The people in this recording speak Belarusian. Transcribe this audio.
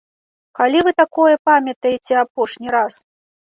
Калі вы такое памятаеце апошні раз?